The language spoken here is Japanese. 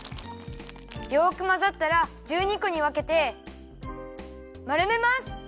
よくまざったら１２こにわけてまるめます。